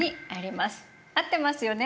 合ってますよね？